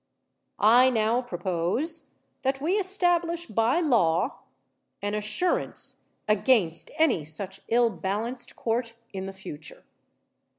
I now propose that we establish by law an assurance against any such ill balanced court in the future.